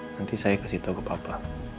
nanti saya kasih tahu ke bapak